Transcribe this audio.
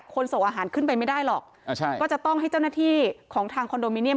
ส่งอาหารขึ้นไปไม่ได้หรอกอ่าใช่ก็จะต้องให้เจ้าหน้าที่ของทางคอนโดมิเนียม